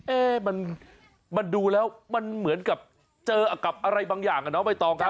เอ๊ะมันดูแล้วมันเหมือนกับเจอกับอะไรบางอย่างอ่ะน้องใบตองครับ